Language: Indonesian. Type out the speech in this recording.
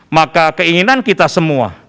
maka keinginan kita semua